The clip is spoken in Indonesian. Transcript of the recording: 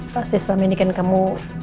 pasti selama ini kan kamu